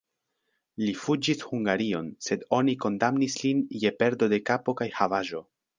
Li fuĝis Hungarion, sed oni kondamnis lin je perdo de kapo kaj havaĵo.